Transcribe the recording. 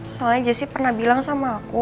soalnya jessi pernah bilang sama aku